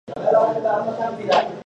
د ده د خبرو درناوی وکړو.